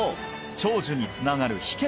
長寿につながる秘訣